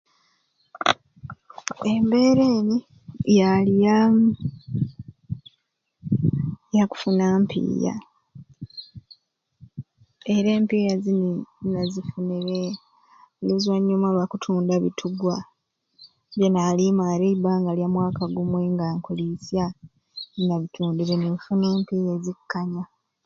Embeera eni yaali ya yakufuna mpiiya era empiiya zini nazifunire luzwanyuma lwa kutunda bitugwa byenali maare eibbanga lya mwaka gumwe nga nkuliisya, nabitundire nenfuna empiiya ezikkanya.